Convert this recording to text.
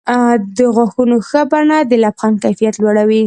د غاښونو ښه بڼه د لبخند کیفیت لوړوي.